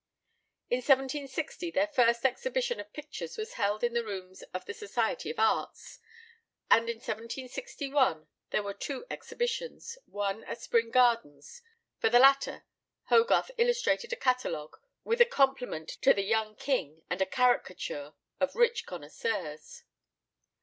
In 1760 their first exhibition of pictures was held in the rooms of the Society of Arts, and in 1761 there were two exhibitions, one at Spring Gardens: for the latter Hogarth illustrated a catalogue, with a compliment to the young king and a caricature of rich connoisseurs.